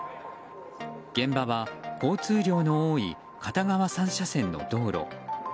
現場は交通量の多い片側３車線の道路。